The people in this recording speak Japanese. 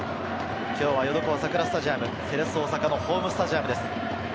今日はヨドコウ桜スタジアム、セレッソ大阪のホームスタジアムです。